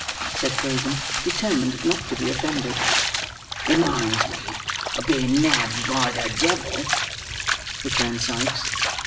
said Fagin, determined not to be offended. "Reminds me of being nabbed by the devil," returned Sikes.